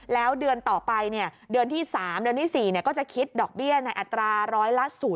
แล้วเดือนต่อไปเดือนที่๓เดือนที่๔ก็จะคิดดอกเบี้ยในอัตราร้อยละ๐